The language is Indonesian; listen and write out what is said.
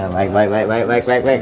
baik baik baik